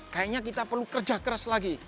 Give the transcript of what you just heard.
kayaknya kita perlu kerja keras lagi